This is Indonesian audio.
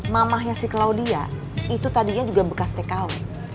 mamahnya si claudia itu tadinya juga bekas tkw